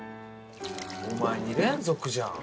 お前２連続じゃん。